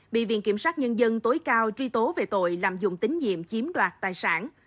bị viện kiểm sát nhân dân tối cao truy tố về tội lạm dụng tín nhiệm chiếm đoạt tài sản